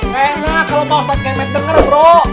gak enak kalau pak ustadz kemet denger bro